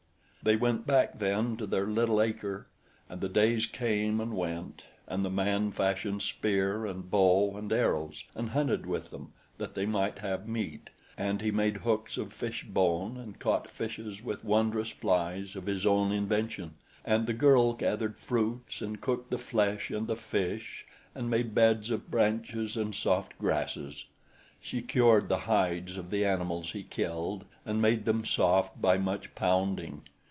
They went back then to their little acre, and the days came and went, and the man fashioned spear and bow and arrows and hunted with them that they might have meat, and he made hooks of fishbone and caught fishes with wondrous flies of his own invention; and the girl gathered fruits and cooked the flesh and the fish and made beds of branches and soft grasses. She cured the hides of the animals he killed and made them soft by much pounding.